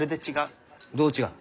どう違う？